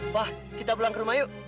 wah kita pulang ke rumah yuk